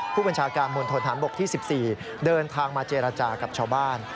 ผู้บัญชาการมณฑนฐานบกที่๑๔เดินทางมาเจรจากับชาวบ้าน